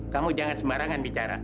kamu jangan sembarangan bicara